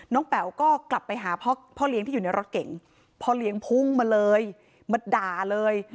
แป๋วก็กลับไปหาพ่อเลี้ยงที่อยู่ในรถเก่งพ่อเลี้ยงพุ่งมาเลยมาด่าเลย